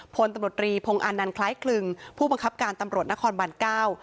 พลตำรวจรีพงอานันต์คล้ายคลึงผู้บังคับการตำรวจนครบานเก้า